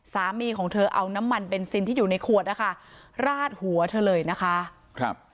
สามีของเธอเอาน้ำมันเบนซินที่อยู่ในขวดนะคะราดหัวเธอเลยนะคะครับ